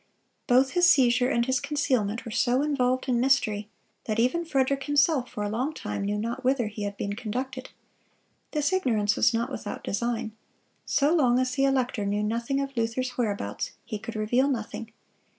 Both his seizure and his concealment were so involved in mystery that even Frederick himself for a long time knew not whither he had been conducted. This ignorance was not without design; so long as the elector knew nothing of Luther's whereabouts, he could reveal nothing.